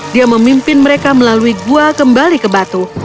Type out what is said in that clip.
dia memimpin mereka melalui gua kembali ke batu